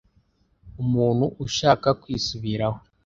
umuntu ushaka kwisubiraho